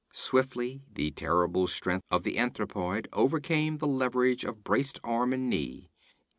Swiftly the terrible strength of the anthropoid overcame the leverage of braced arm and knee.